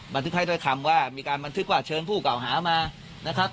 บันทึกให้ด้วยคำว่ามีการบันทึกว่าเชิญผู้เก่าหามานะครับ